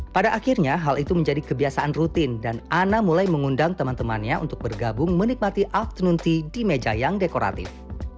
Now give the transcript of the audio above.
pada akhirnya hal itu menjadi kebiasaan rutin dan ana mulai mengundang teman temannya untuk bergabung menikmati afternoon tea di meja yang dekoratif